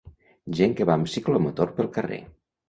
Gent que va amb ciclomotor pel carrer.